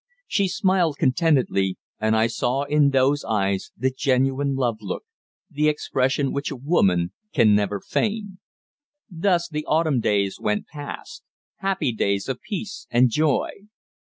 She smiled contentedly, and I saw in those eyes the genuine love look: the expression which a woman can never feign. Thus the autumn days went past, happy days of peace and joy.